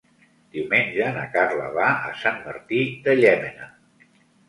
Diumenge na Carla va a Sant Martí de Llémena.